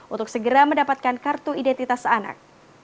untuk segera mendapatkan kartu identitas anak